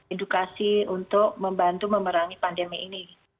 edukasi untuk membantu memerangi pandemi ini